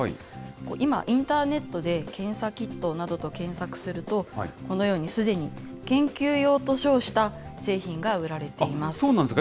今、インターネットで検査キットなどと検索すると、このように、すでに研究用と称した製品が売らそうなんですか。